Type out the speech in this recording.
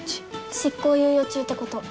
執行猶予中ってこと。